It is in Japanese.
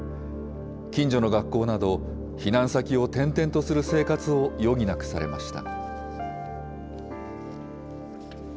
近所の学校など、避難先を転々とする生活を余儀なくされました。